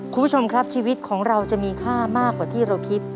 คุณผู้ชมครับชีวิตของเราจะมีค่ามากกว่าที่เราคิด